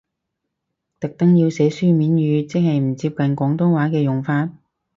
特登要寫書面語，即係唔接近廣東話嘅用法？